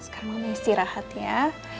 sekarang mama istirahat ya